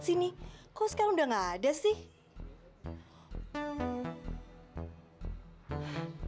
tante merry aku mau ke rumah